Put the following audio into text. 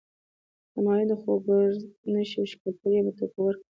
همایون خو ګازر نه شي وښکلی، ټول یی مټکور کړل.